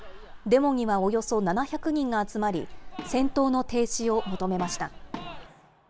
デモにはおよそ７００人が集まり、戦闘の停止を求めました。